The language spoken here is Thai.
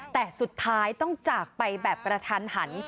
แต่สุดท้ายต้องจากไปแบบกระทันหัน